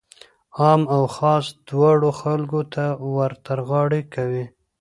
عام او خاص دواړو خلکو ته ورترغاړه کړي.